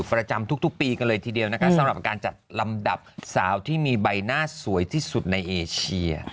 ประจำทุกปีกันเลยทีเดียวนะคะสำหรับการจัดลำดับสาวที่มีใบหน้าสวยที่สุดในเอเชีย